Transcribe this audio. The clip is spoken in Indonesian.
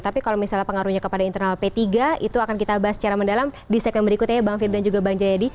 tapi kalau misalnya pengaruhnya kepada internal p tiga itu akan kita bahas secara mendalam di segmen berikutnya bang firda dan juga bang jayadi